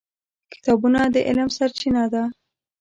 کتابونه د علم سرچینه ده.